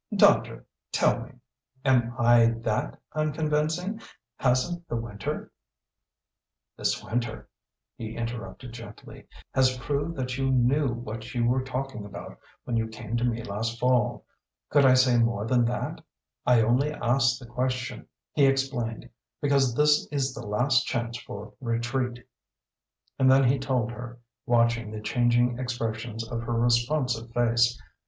"Doctor tell me! Am I that unconvincing? Hasn't the winter " "This winter," he interrupted gently, "has proved that you knew what you were talking about when you came to me last fall. Could I say more than that? I only asked the question," he explained, "because this is the last chance for retreat." And then he told her, watching the changing expressions of her responsive face.